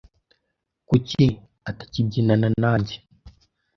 Kuki atakibyinana nanjye?